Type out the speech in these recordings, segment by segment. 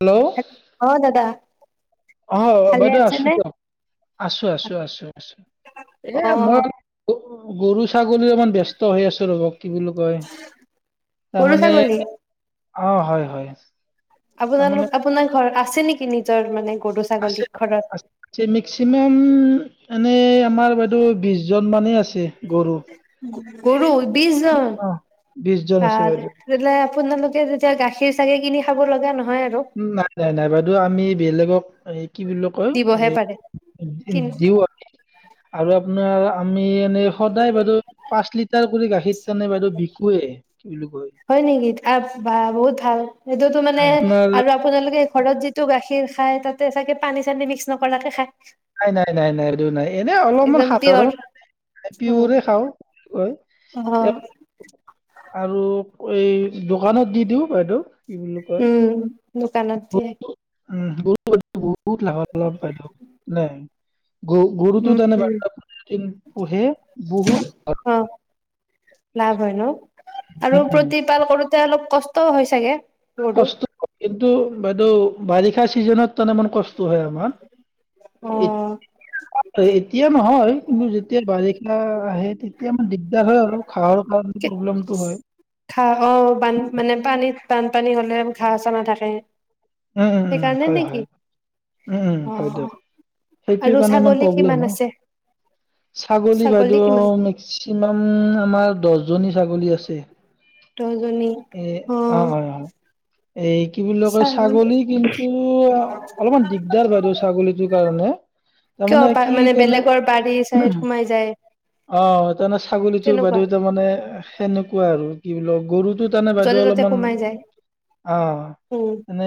Hello অ দাদা অ ভালে বাধা আছো আছেনে দিওক আছোঁ‌ আছোঁ‌ আছোঁ‌। আছ অ এয়া মই গুৰু ছাগলীৰ অমান ব্যস্ত হৈ আছো ৰ'ব কি বুলি কয় গৰু তাৰমানে ছাগলী অ' হয় হয়। তাৰমানে আপোনালোক আপোনাৰ ঘৰ আছে নেকি নিজ মানে গৰু ছাগলী আছে আ ঘৰত মেক্সিমাম আমাৰ। বিশ জন মানেই আছে গৰু গৰু বিশজন অ বিশ জন ত আছে বাইদেউ তেলে আপোনালোকে যেতিয়া গাখীৰ চাগে কিনি খাব লগা নহয়। আৰু নাই নাই নাই বাইদেউ আমি বেলেগক এই কি বুলি কয় দিবহে পাৰে কিন দিও আ আৰু আপোনাৰ আমি এনেই সদায় বাইদেউ পাঁচ লিট বিৰ কৰি গাখীৰত মানে বাইদেউ বিকুৱে হয় নেকি বহুত। ভাল সেইটোতো মানে নাই আৰু আপোনাৰ আপোনালোকে। ঘৰত যিটো গাখীৰ খাই তাতে চাগে পানী চানী মিক্স নকৰাকে খায়। নাই নাই নাই নাই এই নাই এনে অলপমান একদম পিয়ৰ সাধাৰণ উম পৰে খাওঁ‌। অ আৰু এই দোকানত দি দিওঁ বাইদেউ। কি বুলি কয় উম দুকানত যে গৰুটো, উম বহু বহুত লাভালাভ বাইদেউ নাই। গৰু গৰুটো তেনে উম পোহে বহুত অ ভাল লাভ হয় ন আৰু প্ৰতিপাল কৰোঁ‌তে অলপ। কষ্ট হৈ চাগে। ন় [inaudible] কষ্ট হয়। কিন্তু বাইদেউ বাৰিষা চিজনত তানে মমান কষ্ট হয় আমাৰ। অ' ই তেতিয়া নহয় কিন্তু যেতিয়া বাৰিষা আহে তেতিয়া আমাৰ দিগদাৰ হয় আৰু ঘাহৰ কাৰণে প্ৰব্লেমটো হয়। ঘাঁ অ বান মানে পানীত বানপানী হলে ঘাঁ‌হ চা নাথাকে। উ উ সেইকাৰণে নেকি? অ' দক সেইটো আৰু কাৰণে ছাগলী ইবলে কিমান আছে? ছাগলী বাইদেউ মেক্সিমাম আমাৰ। দহজনী ছাগলী আছে। দহজনী। এ অঁ অ' অঁ অঁ এই কি বুলি কৈছো ছাগলী কিন্তু অলপমান দিগদাৰ বাইদেউ ছাগলীটোৰ কাৰণে কিয় তাৰমানে বা কি মানে তেনে বেলেগৰ বাৰী চাৰীত সোমাই যায় অঁ তাৰমানে ছাগলীটো তেনেকুৱা বাইদেউ তাৰমানে সেনেকুৱা আৰু কি ন গৰুতো টো তানে বাইদেউ য'তে ত'তে অলপমান সোমাই যায়। অঁ অঁ উম, মানে।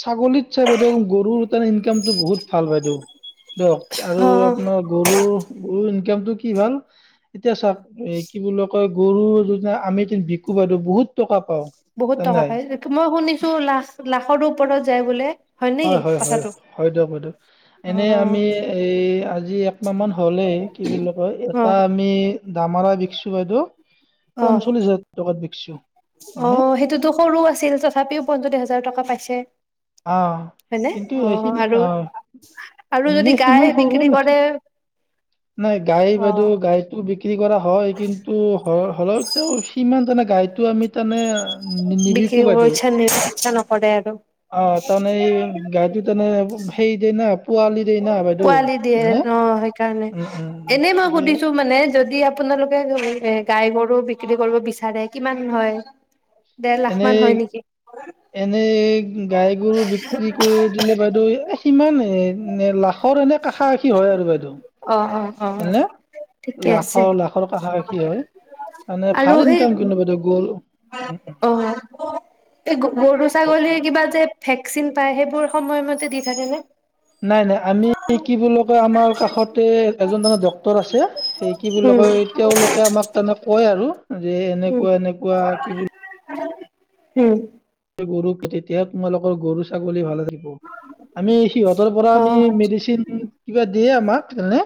ছাগলীত চাই বাই গৰুৰ ত বহুত ভাল বাইদেউ দিয়ক আৰু অ' আপোনাৰ গৰু গৰু দামটো কি ভাল এতিয়া চাওঁক এই কি বোলক। গৰু যোনে আমি কো বহুত টকা পাওঁ। বহুত টকা নাই পাই মই শুনিছো লাখ লাখৰো ওপৰত যায় বোলে হয় নেকি হয় হয় কথাটো? হয় দিয়ক হয় দক এনে অ' আমি এই আজি একমাহান হ'লেই কি বুলি কয় অ' এটা আমি দামৰাই বিকছু বাইদেউ অঁ পঞ্চল্লিশ হাজাৰ টকাত বিকছো। হয়নে অঁ সেইটোতো সৰু আছিল তথাপিও পঞ্চল্লিছ হাজাৰ টকা পাইছে অঁ হয়নে কিন্তুি অ আৰু অঁ আৰু যদি নে গাই সিমান সৰু বিক্ৰী কৰে নাছিল নাই গাই অ বাইদেউ গাইতো বি বিক্ৰী কৰা হয় কিন্তু হলে তেওঁ সিমান যোনে গাইতটো আমি তাৰানে বিকি গৈছে নি প নক আৰু আৰু অঁ তাৰমানে এই গাইটো তাৰমানে সেই যেনে পোৱালি দিয়ে ন সেইকাৰণে উম, উম। এনেই মই দে সুধিছো মানে যদি আপোনালোকে এ গাই গৰু বি বিক্ৰী কৰিব বিচাৰে কিমান হয়। দেৰ লাখ এনে মান হয় নেকি এনে। গাই গৰু বিক্ৰী কৰি দিলে বাইদেউ। ইমানেই। এ এ লাখৰ এনে কাষৰ কাষি হয় আৰু অ অ অ বাইদেউ ঠিকে আছে লাখৰ লাখৰ কাষ কাষি হয় মানে ভাল ইনকাম কিন্ত গ'ল। অঁ এই গৰু ছাগলীৰ কিবা যে ভেকচিন পায় সেইবোৰ সময়মতে দি থাকেনে। নাই নাই আমি কি বুলি কয়, আমাৰ কাষতে এজন মানে ডক্তৰ আছে, সেই কি বুলি উম কয় তেওঁলোকে আমাক তাৰমানে কয় আৰু। যে উম, এনেকুৱা এনেকুৱা কি বুলি। উম। কয় গৰু পি তেতিয়া তোমালৰ গৰু ছাগলী ভাল য [unintelligible] আমি সিহঁতৰ পৰা আমি অ', মেডিচিন কিবা দিয়ে। ম [unintelligible] [unintelligible]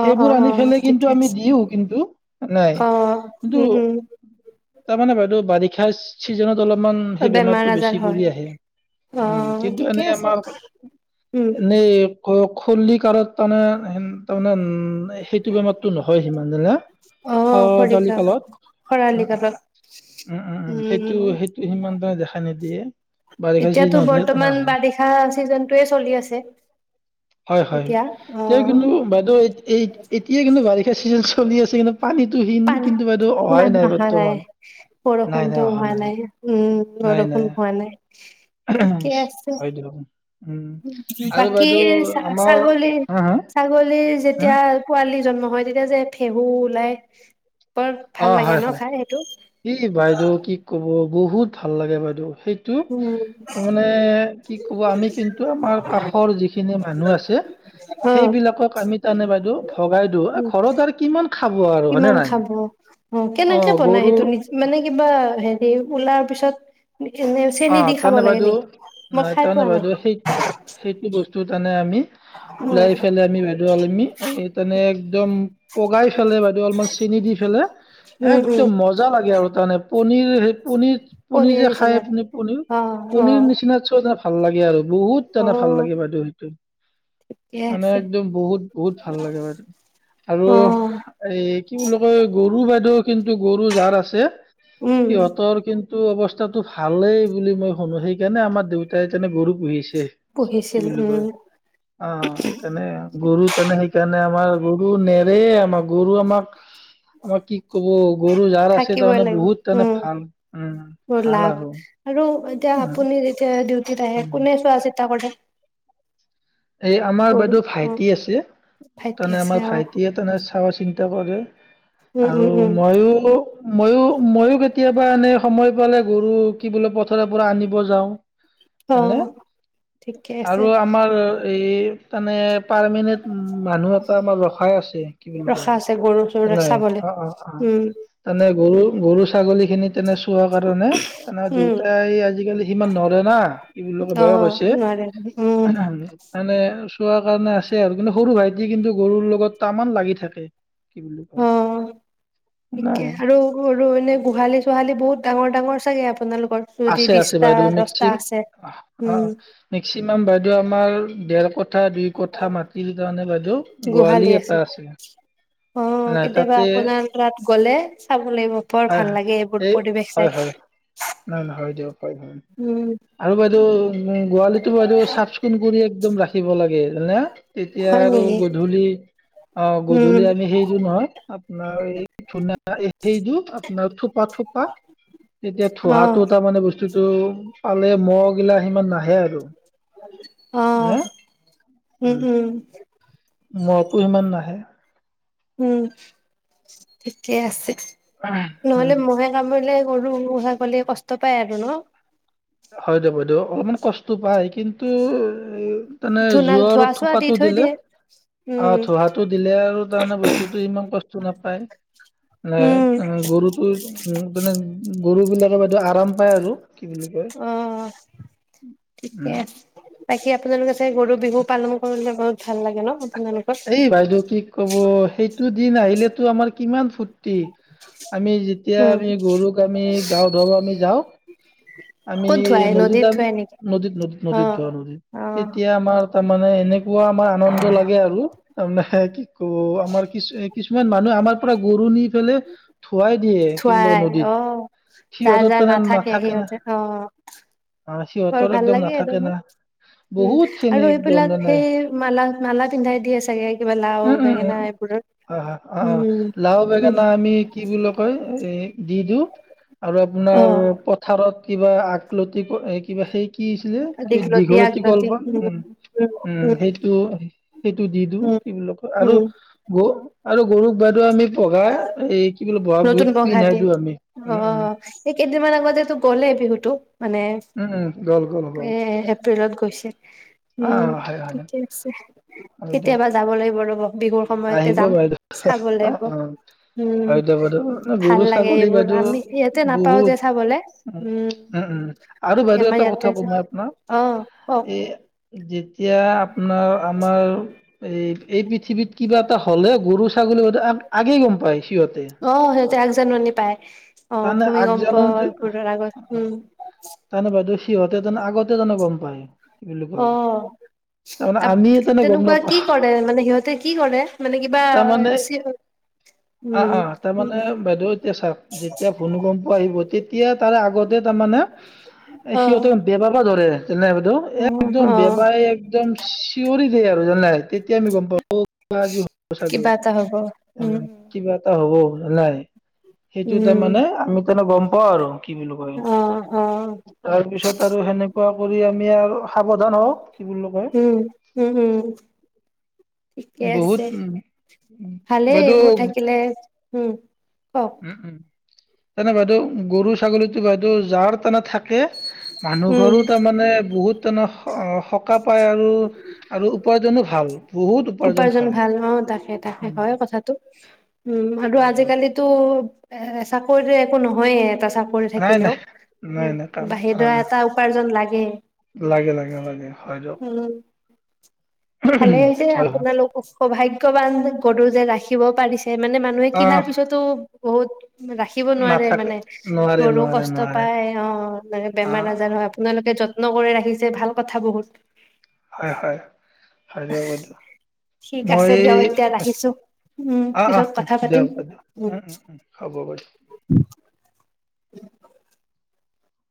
অ', সেইবোৰ অ', আনি অ', পেলাই কিন্তু ঠিকে আমি আছে। দিও কিন্তু নাই অ', কিন্তু উম, উম, তাৰমানে বাইদেউ, ফাছ চিজনত অলপমান। সেই বেমাৰ বেমাৰতটো আজাৰ বেছি হয়। কৰি আহে, উম অ', কিন্তু ঠিকে এনে আছে, আমাৰ উম, এনে। ৌ [unintelligible] খলী কাৰত মানে তাৰমানে সেইটো বেমাৰতটো নহয় সিমান জান খ অ', দালি খৰিকা কালত খৰালি উম কাবাব, উম উম উ সেইটো সেইটো সিমান [unintelligible] নিদিয়ে। বাৰিষা এতিয়াতো চিজনত আহে তেনে বৰ্তমান আহে বাৰিষা চিজনটোয়ে চলি আছে হয় হয় এতিয়া, এতিয়া অ', কিন্তু বাইদেউ এতিয়া কিন্তু বাৰিষাৰ চিজন। খলি আছিলি [unintelligible] পানী হিমান অহা নাই, বৰ্তমান বৰষুণতটো অহা নাই উম। বৰষুণ হোৱা নাই, ঠিকে আছে। হয় দিয়ক উম আৰু বাকী বাইদেউ আমাৰ ছাগলী হা হা ছাগলীৰ হা? যেতিয়া পোৱালি জন্ম। নয় তেতিয়া যে ফেহো ওলাই। বৰ ভাল অ লাগে হয় ন হয়, খাই সেইটো ই বাইদেউ কি কব। বহুত ভাল লাগে বাইদেউ। সেইটো উম মানে কি কব আমি কিন্তু আমাৰ কাষৰ যিখিনি মানুহ আছে, অ সেইবিলাকক আমি তাৰানে বাইদেউ ভগাই দিওঁ উম ঘৰত আৰু কিমান। খাব আৰু হয়নে কিমান নাই। খাব অ কেনেকে বনাই সেইটো নিজে মানে, কিবা হেৰি। ওলাৰ পিছত। এনে অ চেনি দি খাব তাৰানে লাগে বাইদেউ নেকি মই নাই খাই তাৰনে পোৱা নাই বাইদেউ সেই সেইটো বস্তু। তটো তানে আমি [unintelligible] উম ওলাই ফেলাই আমি বাইদেৱল আমি এই [unintelligible] তেনেক [unintelligible] একদম পগাই খালে, বাইদেউ অলপমান চেনি দি খালে। উম উম একদম মজা লাগে আৰু তাৰমানে। পনীৰ সেই পনীৰ। পুনি পনীৰ যে নিচিনা খাইপুনি পনীৰ, অ অ পনীৰ নিচিনা চ ভাল লাগে আৰু। বহুত অ তানে ভাল লাগে বাইদেউ সেইটো, ঠিকে মানে আছে একদম বহুত বহুত ভাল লাগে বাইদেউ আৰু অ এই কি বুলি কয় গৰু বাইদেউ কিন্তু গৰু যাৰ আছে উম সিহঁতৰ কিন টো অৱস্থাটো ভালেই বুলি মই শুনো সেইকাৰণে আমাৰ দেউতাইনে গৰু পুহিছে। কি পুহিছিল বুলি উম কয়, অ তেনে গৰু তেনে সেইকাৰণে আমাৰ গৰু নেৰে, আমাৰ গৰু আমাক আমাৰ কি ক'ব, গৰু জাৰ আছে থাকিবই তাৰমানে লাগিব বহুত তাৰমানে উম ভাল, উম বৰ ভাল লাভ আৰু। আৰু উম আপুনি যেতিয়া ডিউটিত আহে উম কোনে চোৱাচিতা কৰে? এই আমাৰ গৰু বাইদেউ অ ভাইটি আছে, ভাইটি তমানে আছে আমাৰ অ ভাইটিয়ে তেনে চোৱা চিন্তা কৰে। উম আৰু উম উম ময়ো মইও মইও কেতিয়াবা এনে সময় পালে গৰু কি বোলে পথাৰৰ পৰা আনিব যাওঁ। অ এনে ঠিকে আছে। এ তানে, পাৰমেনেট মানুহ এটা আমাৰ ৰখাই আছে, তেওঁলোকৰ ৰখা কি আছে গৰু চৰু বুলে চাবলে অ অ অ উম তানে গৰু, গৰু ছাগলী খিনি তেনে চোৱা কাৰণে, তেনেকুৱা উম দেউতাই আজিকালি সিমান নোৱাৰে না, কি বুলি কয় অ বয়স হৈছে নোৱাৰে উম । এ, চোৱা কাৰণে আছে আৰু কিন্তু সৰু ভাইটি কিন্তু গৰুৰ লগত টামান লাগি থাকে। কি বুলি অ, কয় ঠিকে নাই আৰু গৰু এনে গোহালি চোহালি বহুত ডাঙৰ ডাঙৰ চাগে আপু আপোনালো আছে আছে বাইদেউ, মেক্সি অ অ, উম মেক্সিমাম বাইদেউ আমাৰ ডেৰশ গোহালি আছে, অ নাই কেতিয়াবা তাতে আপোনাৰ তাত গলে চাব লাগিব বৰ হয় ভাল হয় লাগে এইবোৰ এই পৰিৱেশ হয় হয় চাই। নহয় নহয় হয় দিয়ক, হয় হয় উম আৰু বাইদেউ গোহালীটো বাইদেউ চাফ চিকুণ কৰি একদম ৰাখিব লাগে। হলনে, তেতিয়া হয় আৰু নেকি? গধূলি, অ উম, গধূলি আমি সেইটো নহয় আপোনাৰ এই চোনা- সেইটো আপোনাৰ থোপা থোপা তেতিয়া সহাটো অ', এ মানে বস ততো পালে মহগিলা হিমান নাহে আৰু হ অ', উ উম, উম, মহটো সিমান নাহে। উম ঠিকে আছে। নহলে উম, মহে কামৰিলে সৰু সৰু ছাগলীয়ে কষ্ট পায় আৰু ন। হয় দে বাইদেউ অলপমান কষ্ট পায়। কিন্তু এই এনে ধূনা জুইয় ধোৱা চোৱা দি থোপাতটো থৈ দিলে দিয়ে। অ উম, ধোহাটো দিলে আৰু তাৰমানে বস্তুতটো ইমান কষ্ট টো নাপায় নে উম, গুৰু ত তনে গৰুবিলাকে বাইদেউ আৰাম পায় আৰু কি বুলি কয়। অ ঠিকে উম আছে বাকী আপোনালোকে গৰু বিহু পালনো কৰিলে ভাল লাগে ন আপোনালোকৰ? এই বাইদেউ কি ক'ব সেইটো দিন আহিলেতো আমাৰ। কিমান ফুট আমি যেতিয়া উম, আমি গৰুক আমি গাও ধ আমি যাওঁ আমি ক'ত ধুৱাই নদীত নদীতাম ধুৱাই নেকি? নদীত নদীত নদীত অ', ধোৱা নদীত অ', তেতিয়া আমাৰ তাৰ মানে এনেকুৱা আমাৰ। লাগে আৰু আ কি ত' আমাৰ কিছু কিছুমান মানুহ আমাৰ পৰা গৰু নি লে ধুৱাই দিয়ে কি বুলি ধুৱাই নদীত অ', যাৰ সিহঁতত যাৰ তেনে নাথাকে না। সিহঁতে অ', অ বৰ সিহঁতৰ ভাল একদম লাগে আৰু নাথাকে উম না বহুত খিনি আৰু একদম এইবিলাক মানে সেই মালা মালা পিন্ধাই দিয়ে চাগে কিবা লাও উম উম উম বেঙেনা উম এইবোৰৰ হয় অ অ উম লাও উম বেঙেনা আমি কি বুলি কয় এ দি দিওঁ আৰু অ আপোনাৰ পথাৰত কিবা আককলতি কিবা সেই কিছিলে কি দীঘলতি দীঘলত আগলতি কল্প উম উ উম সেইটো সেইটো দি দিওঁ। উম কি বুলিলাক ক' আৰু উম গ আৰু গৰুক বাদে আমি পঘা এই কি বোলে ব'হাগ নতুন বিহুত পঘা পিন্ধাই দিয়ে দিও আমি, উম উম। ক'লে বিহুতোক মানে উম উম গ'ল গ'ল গ'ল এ এপ্ৰিলত গৈছে। অ উম হয় হয় ঠিকে আছে, হয় দিয়ক কেতিয়াবা যাব লাগিব ৰব। বিহুৰ সময়তে যাম, চাব লাগিব। উম হয় দিয়ক বাইদেউ, নে ভাল গৰু লাগে ছাগলী এইবোৰ বাইদেউ আমি ইয়াতে নাপাও বহুত, যে চাবলে উম উম উম। আৰু বাইদেউ আমাৰ এটা ইয়াতে কথা কও মই আপনাক অ কওক এ [unintelligible] এতিয়া আপনাৰ আমাৰ এই এই পৃথিৱী কিবা এটা হ'লে গৰু ছাগলী কেইটা আগে গম পাই। অ সিহঁতে আগ জাননী পায়। অ তামানে ভূমিকম্প আগজাননীতো এইবোৰৰ আগত অ উম তামানে বাইদেউ সিহঁতে জানো আগতে জানো গম পাই। অ আমি তেনে গম তেনেকুৱা কি নাপাওঁ কৰে? মানে সিহঁতে কি কৰে মানে কিবা, তাৰমানে অ উম। তেতিয়া ভূমিকম্প আহিব তেতিয়া তাৰে আগতে তামানে অ সিহঁতে বেবাব ধৰে। জানে বাইদউ অ একদম অ বেবাই একদম চিঞৰি দিয়ে আৰু জানে? তেতিয়া আমি গম পাওঁ অ কিবা আজি হব চাগে, কিবা এটা হ'ব উম কিবা এটা হব। [unintelligible] সেইটো তে উম মানে আমি তেনে গম পাও আৰু। বুলি কয়, অ অ তাৰপিছত আৰু সেনেকে কিবা কৰি আমি আৰু সাৱধান হওঁ। কি বুলি কয় উম উম উম। ঠিকে আছে বহুত উম, ভালেই বাইদেউ এইবোৰ থাকিলে উম। কওক উম উম। তেনে বাইদেউ গৰু ছাগলীতো বাইদেউ জাৰ তানে থাকে মানুহ উম ঘৰো তাৰমানে বহুত। টোনো সকাপ। উপাৰ্জন ভাল অ তাকে তাকে উম, হয় কথাটো উম আৰু হয় দিয়ক। আজিকালিতো। এ চাকৰিতো একো নহয়ে এটা। চাকৰি নাই থাকিলেও নাই নাই নাই কাম বাহিডৰা অ' এটা উপাৰ্জন লাগে। লাগে লাগে লাগে হয় দিয়ক। উম। ভালে হৈছে হয় হয় আপোনালোকক। সৌভাগ্যৱান গৰু যে ৰাখিব পাৰিছে। কে মানে মানুহে কিনাৰ অ' পিছতো। বহুত। ৰাখিব নোৱাৰে নাথাকে মানে নোৱাৰে গৰুও নোৱাৰে কষ্ট নোৱাৰে পায় অ বেমাৰ অ' আজাৰ হয়, আপোনালোকে যত্ন কৰি ৰাখি। ৰাখিছে ভাল কথা বহুত। হয় হয় হয় দিয়ক বাইদেউ, ঠিক মই আছে দিয়ক এই এতিয়া ৰাখিছো উম অ অ পিছত কথা পাতিম দিয়ক বাইদেউ উম উম উম হ'ব বাৰু। [unintelligible]